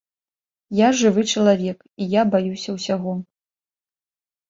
Я жывы чалавек і я баюся ўсяго.